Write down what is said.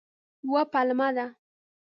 یوه پلمه ده.